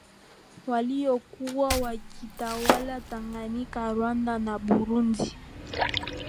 waliokuwa wakitawala Tanganyika Rwanda na Burundi